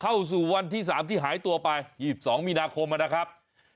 เข้าสู่วันที่๓ที่หายตัวไป๒๒มีนาคมนะครับ